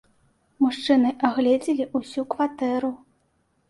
Мужчыны агледзелі ўсю кватэру.